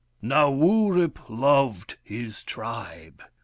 Now, Wurip loved his tribe.